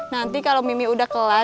nanti kalau mimi udah kelar